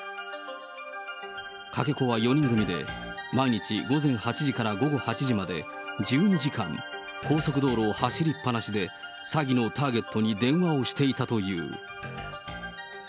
かけ子は４人組で毎日午前８時から午後８時まで、１２時間、高速道路を走りっぱなしで詐欺のターゲットに電話をしていたという。